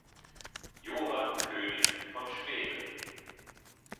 Johann König von Schweden.